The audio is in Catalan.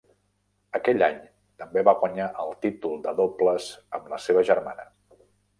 Aquell any també va guanyar el títol de dobles amb la seva germana.